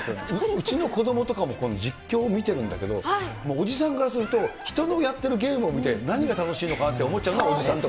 うちの子どもとかもこういう実況見てるんだけど、おじさんからすると、人のやってるゲームを見て、何が楽しいのかなって思っちゃうのが、おじさん。